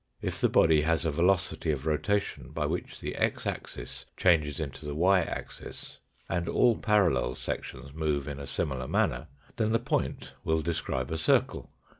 If the body has a velocity of rotation by which the x axis changes into the y axis 220 THE FOURTH DIMENSION and all parallel sections move in a similar manner, then the point will describe a circle.